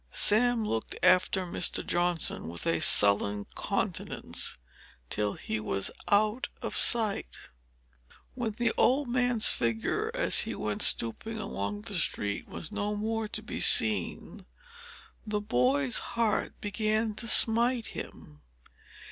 Sam looked after Mr. Johnson, with a sullen countenance, till he was out of sight. But when the old man's figure, as he went stooping along the street, was no more to be seen, the boy's heart began to smite him.